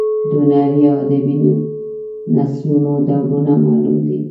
د هنري او ادبي نثرونو ډولونه معلوم دي.